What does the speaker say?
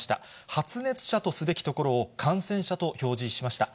発熱者とすべきところを、感染者と表示しました。